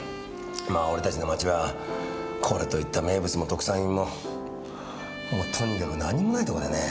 まあ俺たちの町はこれといった名物も特産品ももうとにかく何もないとこでね。